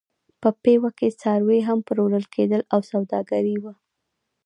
په پېوه کې څاروي هم پلورل کېدل او سوداګري وه.